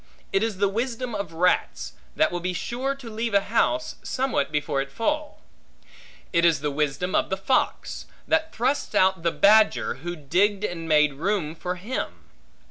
It is the wisdom of rats, that will be sure to leave a house, somewhat before it fall. It is the wisdom of the fox, that thrusts out the badger, who digged and made room for him.